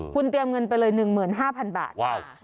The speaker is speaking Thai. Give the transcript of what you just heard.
คุณเตรียมเงินไปเลย๑๕๐๐๐บาท